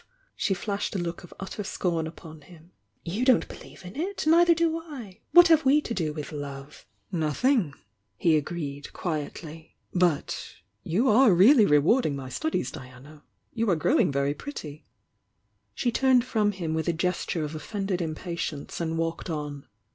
She flashed a look of utter scorn upon him. 'You don't believe in itr— neither do II What nave we to do with love?" i ■ u 232 THE YOUNG DIANA "Nothing 1" he agreed, quifttly. "Butr you are really rewarding my studies, Diana! You are grow ing very pretty!" «... She turned from him with a gesture of offended impatience and walked on.